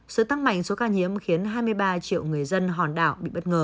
sự tăng mạnh số ca nhiễm khiến hai mươi ba triệu người dân hòn đảo bị bất ngờ